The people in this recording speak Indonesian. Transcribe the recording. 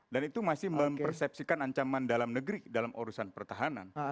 dan itu masih mempersepsikan ancaman dalam negeri dalam urusan pertahanan